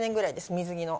水着の。